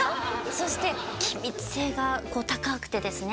そして気密性がこう高くてですね